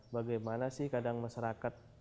bagaimana sih kadang masyarakat